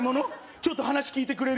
ちょっと話聞いてくれる？